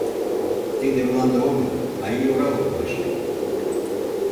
Тиде — мланде огыл, а ий ора улмаш.